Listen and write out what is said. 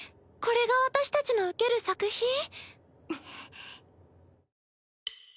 これが私たちの受ける作品？